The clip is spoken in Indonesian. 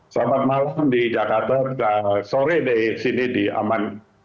selamat malam di jakarta sore di sini di aman